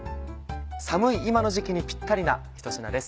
寒い今の時期にピッタリなひと品です。